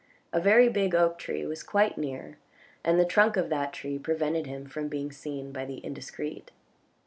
A very big oak tree was quite near, and the trunk of that tree prevented him from being seen by the indiscreet.